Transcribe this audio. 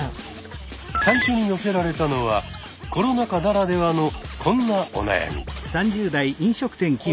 最初に寄せられたのはコロナ禍ならではのこんなお悩み。